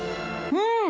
うん！